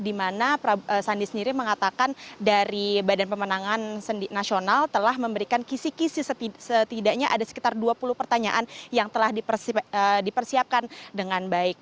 di mana sandi sendiri mengatakan dari badan pemenangan nasional telah memberikan kisi kisi setidaknya ada sekitar dua puluh pertanyaan yang telah dipersiapkan dengan baik